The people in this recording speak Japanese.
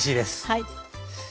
はい。